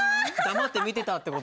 黙って見てたって事？